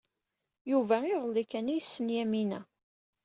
Yuba iḍelli kan ay yessen Yamina.